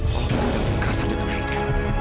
tolong jangan berkasa dengan aida